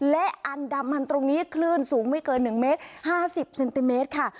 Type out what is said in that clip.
และอันดามันตรงนี้คลื่นสูงไม่เกิน๑เมตร๕๐เซนติเมตรค่ะ